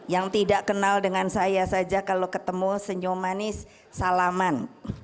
yang tidak kenal dengan saya saja kalau ketemu senyum manis salaman